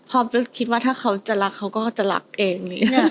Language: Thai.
คิดว่าถ้าเขาจะรักเขาก็จะรักเอง